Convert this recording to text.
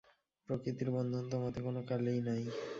প্রকৃতির বন্ধন তোমাতে কোন কালেই নাই।